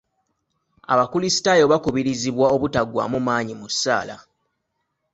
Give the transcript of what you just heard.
Abakulisitaayo bakubirizibwa obutaggwaamu maanyi mu ssaala.